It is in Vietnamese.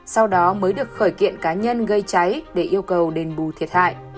sau đó mới được khởi kiện cá nhân gây cháy để yêu cầu đền bù thiệt hại